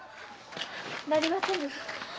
なりませぬ！